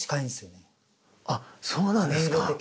あそうなんですか。